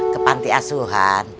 ke panti asuhan